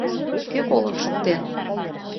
Кӧ колын шуктен?